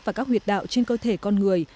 và các huyệt đạo trên cơ thể con người